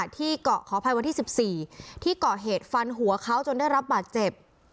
ที่เกาะขออภัยวันที่๑๔ที่เกาะเหตุฟันหัวเขาจนได้รับบาดเจ็บ